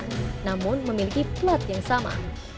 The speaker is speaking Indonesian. namun memiliki plat yang sama